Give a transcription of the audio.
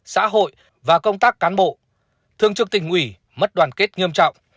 xã hội và công tác cán bộ thường trực tỉnh ủy mất đoàn kết nghiêm trọng